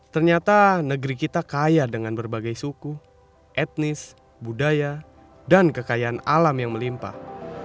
ternyata negeri kita kaya dengan berbagai suku etnis budaya dan kekayaan alam yang melimpah